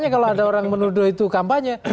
kalau ada orang menuduh itu kampanye